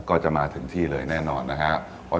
ก็จะมาถึงที่เลยแน่นอนนะครับ